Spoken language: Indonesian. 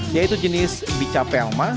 yaitu jenis bica pelma